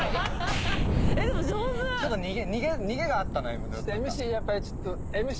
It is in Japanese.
ちょっと逃げがあったのよ。